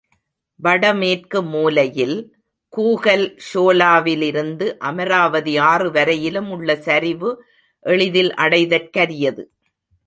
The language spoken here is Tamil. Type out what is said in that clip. வட மேற்கு மூலையில், கூகல் ஷோலாவிலிருந்து அமராவதி ஆறுவரையிலும் உள்ள சரிவு எளிதில் அடைதற்கரியது.